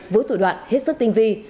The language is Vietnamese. với thủ đoạn hết sức tinh vi